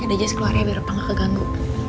ya udah just keluarin ya biar papa gak keganggu